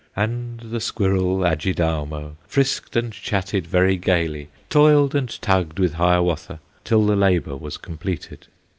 And the squirrel, Adjidaumo, Frisked and chatted very gayly, Toiled and tugged with Hiawatha Till the labor was completed.